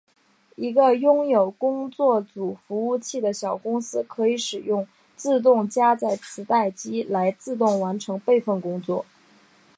一个拥有工作组服务器的小公司可以使用自动加载磁带机来自动完成备份工作。